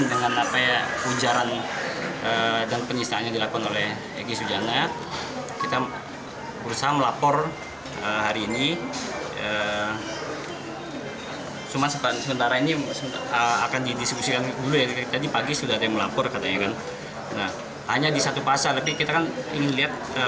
egy sujana pondok bali